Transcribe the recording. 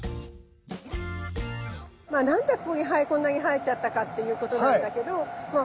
まあ何でここにこんなに生えちゃったかっていうことなんだけどまあ